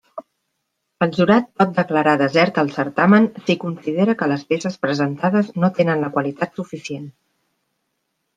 El jurat pot declarar desert el certamen si considera que les peces presentades no tenen la qualitat suficient.